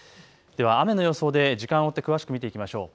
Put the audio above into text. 雨の予想で時間追って詳しく見ていきましょう。